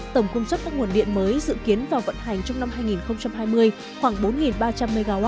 tổng công suất các nguồn điện mới dự kiến vào vận hành trong năm hai nghìn hai mươi khoảng bốn ba trăm linh mw